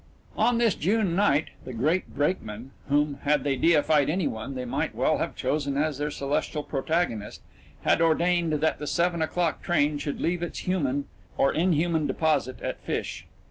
On this June night, the Great Brakeman, whom, had they deified any one, they might well have chosen as their celestial protagonist, had ordained that the seven o'clock train should leave its human (or inhuman) deposit at Fish.